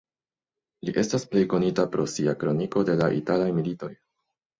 Li estas plej konita pro sia kroniko de la italaj militoj.